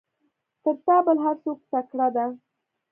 تر تا بل هر څوک تکړه ده.